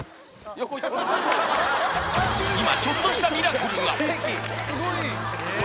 今ちょっとしたミラクルが！